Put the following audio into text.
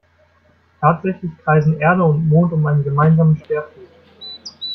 Tatsächlich kreisen Erde und Mond um einen gemeinsamen Schwerpunkt.